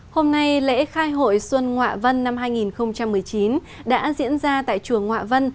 hôm nay lễ khai hội xuân ngoạ vân năm hai nghìn một mươi chín đã diễn ra tại chùa ngoạ vân